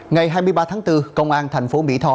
ngày hai mươi ba tháng bốn công an thành phố mỹ tho